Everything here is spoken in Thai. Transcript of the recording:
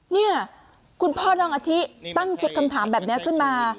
เนี่ยคุณพ่อน้องอาชิตั้งชุดคำถามแบบนี้ขึ้นมา